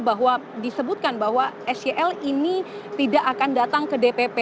bahwa disebutkan bahwa sel ini tidak akan datang ke dpp